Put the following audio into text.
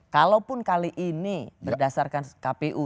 kalaupun kali ini berdasarkan kpu